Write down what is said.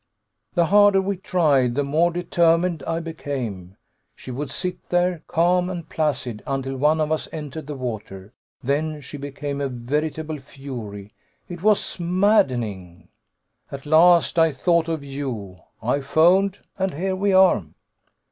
"The harder we tried, the more determined I became. She would sit there, calm and placid, until one of us entered the water. Then she became a veritable fury. It was maddening. "At last I thought of you. I phoned, and here we are!"